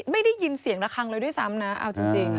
ไม่ได้ยินเสียงระคังเลยด้วยซ้ำนะเอาจริง